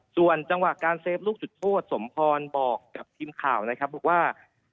ส่วนจังหวะการเซฟลูกจุดโทษสมพรบอกกับทีมข่าวนะครับบอกว่า